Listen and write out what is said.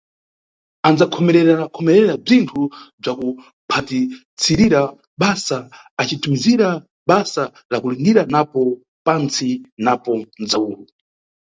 Anʼdzakhomererakhomerera bzwinthu bzwa kuphatirisira basa, acithumizira basa la kulindira, napo pantsi napo mʼdzawulu.